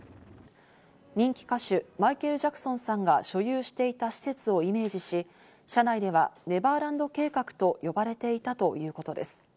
人気歌手マイケル・ジャクソンさんが所有していた施設をイメージし、社内ではネバーランド計画と呼ばれていたということです。